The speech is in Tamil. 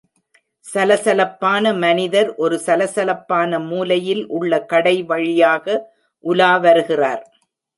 சலசலப்பான மனிதர் ஒரு சலசலப்பான மூலையில் உள்ள கடை வழியாக உலா வருகிறார்.